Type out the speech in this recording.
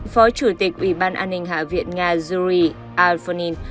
phó chủ tịch ủy ban an ninh hạ viện nga yuri alfonin